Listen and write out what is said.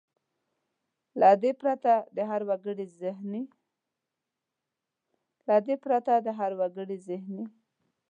له دې پرته د هر وګړي زهني .